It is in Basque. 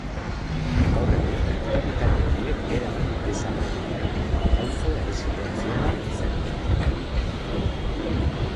Gaur egun aktibitate horiek erabat desagertu dira, auzo erresidentziala izanik.